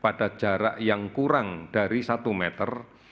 pada jarak yang kurang dari satu meter